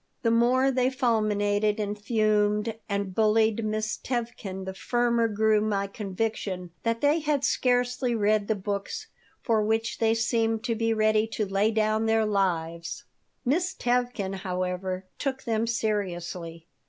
The more they fulminated and fumed and bullied Miss Tevkin the firmer grew my conviction that they had scarcely read the books for which they seemed to be ready to lay down their lives Miss Tevkin, however, took them seriously.